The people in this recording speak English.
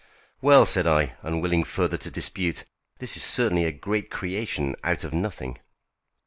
"Well," said I, unwilling further to dispute, "this is certainly a great creation out of nothing."